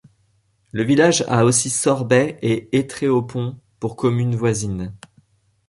Le village a aussi Sorbais et Étréaupont pour communes voisines.